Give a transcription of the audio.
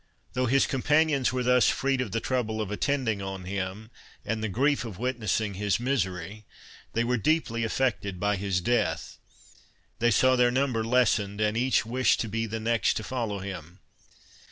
Though his companions were thus freed of the trouble of attending on him, and the grief of witnessing his misery, they were deeply affected by his death. They saw their number lessened, and each wished to be the next to follow him.